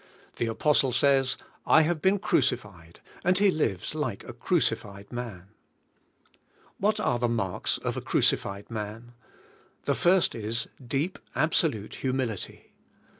The apostle says: "I have been crucified," and he lives like a cruci fied man. What are the marks of a crucified man? The first is, deep, absolute humility.